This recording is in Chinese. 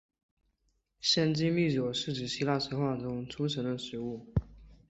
仙馔密酒是指希腊神话中诸神的食物。